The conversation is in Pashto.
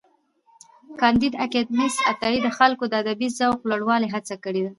کانديد اکاډميسن عطایي د خلکو د ادبي ذوق لوړولو هڅه کړې ده.